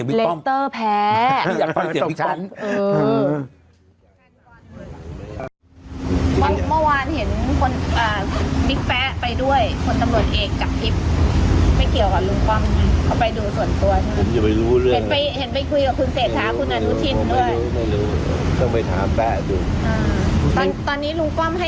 ว่าไปตามก่อนนี้ค่ะ